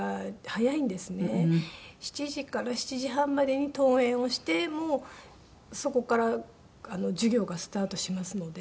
７時から７時半までに登園をしてもうそこから授業がスタートしますので。